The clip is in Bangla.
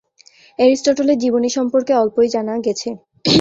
এরিস্টটলের জীবনী সম্পর্কে অল্পই জানা গেছে।